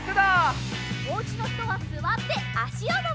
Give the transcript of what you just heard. おうちのひとはすわってあしをのばします。